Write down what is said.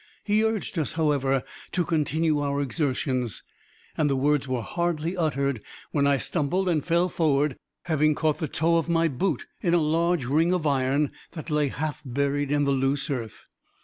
He urged us, however, to continue our exertions, and the words were hardly uttered when I stumbled and fell forward, having caught the toe of my boot in a large ring of iron that lay half buried in the loose earth.